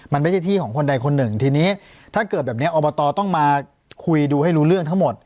มันไม่ใช่ที่ของคนใดคนหนึ่งทีนี้ถ้าเกิดแบบนี้อบตต้องมาคุยดูให้รู้เรื่องทั้งหมด